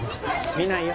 見ないよ。